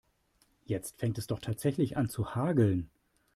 Jetzt fängt es doch tatsächlich an zu hageln.